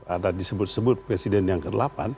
ada disebut sebut presiden yang ke delapan